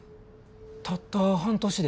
たった半年で？